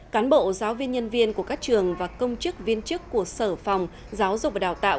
cán bộ giáo viên nhân viên của các trường và công chức viên chức của sở phòng giáo dục và đào tạo